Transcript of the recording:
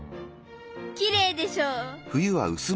きれいでしょう！？